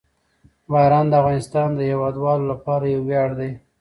باران د افغانستان د هیوادوالو لپاره یو ویاړ دی.